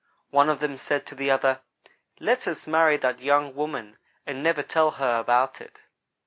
One of them said to the other: 'Let us marry that young woman, and never tell her about it.'